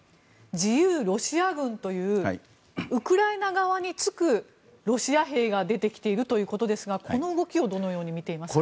自由ロシア軍というウクライナ側につくロシア兵が出てきているということですがこの動きをどのように見ていますか。